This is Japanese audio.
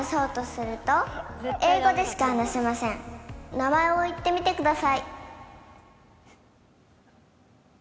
名前を言ってみてください。